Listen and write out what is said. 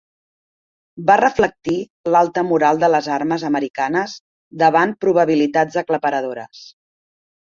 Va reflectir l'alta moral de les armes americanes davant probabilitats aclaparadores.